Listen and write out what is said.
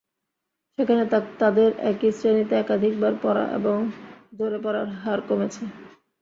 সেখানে তাদের একই শ্রেণিতে একাধিকবার পড়া এবং ঝরে পড়ার হার কমেছে।